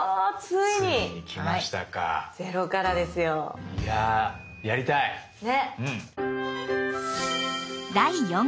いややりたい！ね。